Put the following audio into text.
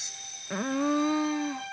◆うん。